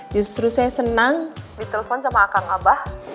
justru saya senang ditelepon sama kang abah